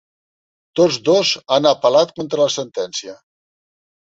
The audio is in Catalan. Tots dos han apel·lat contra la sentència.